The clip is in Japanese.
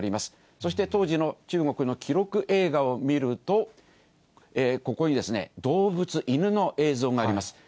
そして、当時の中国の記録映画を見ると、ここにですね、動物、犬の映像があります。